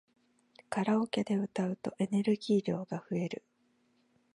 カラオケで歌うとエネルギー量が増える